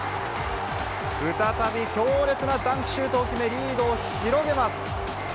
再び強烈なダンクシュートを決め、リードを広げます。